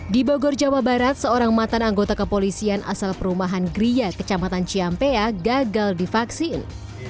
di bogor jawa barat seorang matan anggota kepolisian asal perumahan gria kecamatan ciampea gagal divaksin